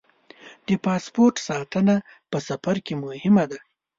د پاسپورټ ساتنه په سفر کې مهمه ده.